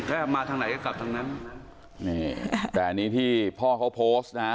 มาทางไหนก็กลับทางนั้นนี่แต่อันนี้ที่พ่อเขาโพสต์นะฮะ